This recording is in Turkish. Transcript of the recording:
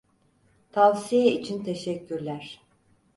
Tavsiye için teşekkürler.